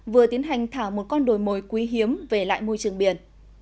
vừa tiến hành thả một con đồi mồi quý hiếm về lại môi trường biển